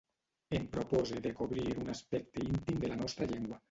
Em propose de cobrir un aspecte íntim de la nostra llengua.